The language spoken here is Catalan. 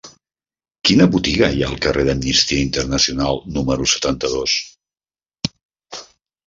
Quina botiga hi ha al carrer d'Amnistia Internacional número setanta-dos?